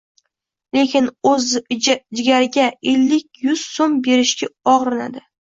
lekin o‘z jigariga ellik-yuz ming so‘m berishga og‘rinadi.